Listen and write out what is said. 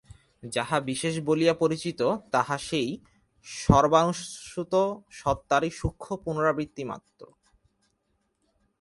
যাহা বিশেষ বলিয়া পরিচিত, তাহা সেই সর্বানুস্যূত সত্তারই সূক্ষ্ম পুনরাবৃত্তি-মাত্র।